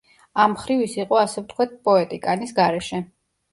ამ მხრივ ის იყო ასე ვთქვათ, პოეტი კანის გარეშე.